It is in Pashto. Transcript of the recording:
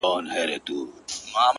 له غمه هېر يم د بلا په حافظه کي نه يم!